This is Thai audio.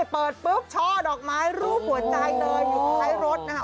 เปิดปุ๊บช่อดอกไม้รูปหัวใจเลยอยู่ท้ายรถนะคะ